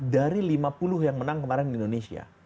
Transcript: dari lima puluh yang menang kemarin di indonesia